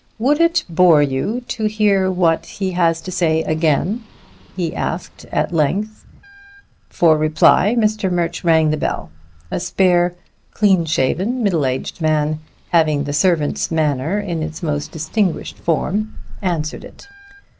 "Would it bore you to hear what he has to say again?" he asked at length. For reply, Mr. Murch rang the bell. A spare, clean shaven, middle aged man, having the servant's manner in its most distinguished form, answered it.